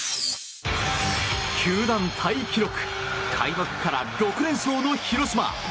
球団タイ記録開幕から６連勝の広島。